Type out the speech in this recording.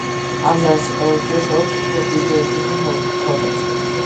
ამ ჟანრის სატელევიზიო შოუებს უფრო დიდი რეიტინგი ჰქონდათ.